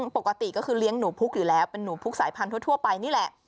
ปกติก็คือเลี้ยงหนูพุกอยู่แล้วเป็นหนูพุกสายพันธุไปนี่แหละ